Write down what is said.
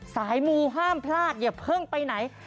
สายมูห้ามพลาดอย่าเพิ่งไปไหน